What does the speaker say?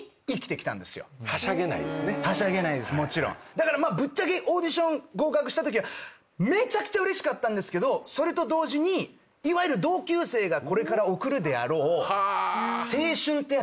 だからぶっちゃけオーディション合格したときはめちゃくちゃうれしかったけどそれと同時にいわゆる同級生がこれから送るであろう。